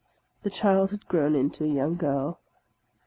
The child had grown into a young girl.